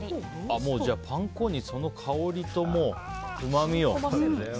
パン粉に香りとうまみをね。